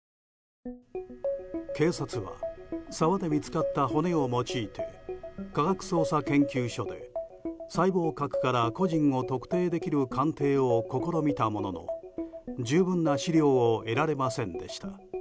警察は沢で見つかった骨を用いて科学捜査研究所で細胞核から個人を特定できる鑑定を試みたものの十分な試料を得られませんでした。